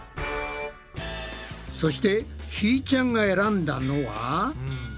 そしてひーちゃんが選んだのは。